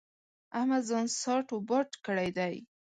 احمد ځان ساټ و باټ کړی دی.